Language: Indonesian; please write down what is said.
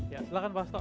ya silahkan pak asto